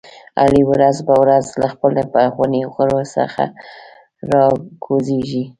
علي ورځ په ورځ له خپل پخواني غرور څخه را کوزېږي.